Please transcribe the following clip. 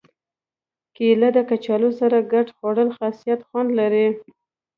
کېله د کچالو سره ګډ خوړل خاص خوند لري.